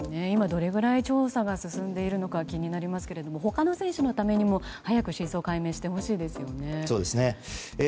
今どれぐらい調査が進んでいるのか気になりますが他の選手のためにも早く真相解明してほしいですね。